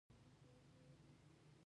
لمسی له ګلانو سره لوبې کوي.